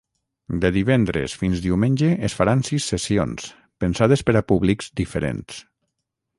De divendres fins diumenge es faran sis sessions, pensades per a públics diferents.